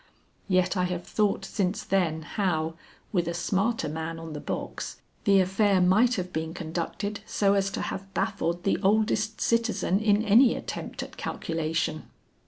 Yet I have thought since then how, with a smarter man on the box, the affair might have been conducted so as to have baffled the oldest citizen in any attempt at calculation.